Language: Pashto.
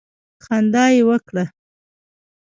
خندا یې وکړه.